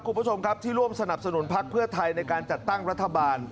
ขอบคุณครับ